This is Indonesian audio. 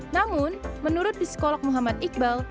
namun menurut psikolog muhammad iqbal